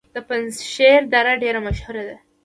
د پنجشیر دره ډیره مشهوره ده